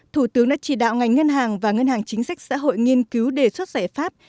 thủ tướng đã chỉ đạo ngành ngân hàng và ngân hàng chính sách xã hội nghiên cứu đề xuất giải pháp